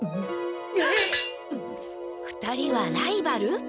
２人はライバル！？